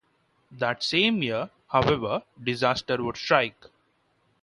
That same year, however, disaster would strike.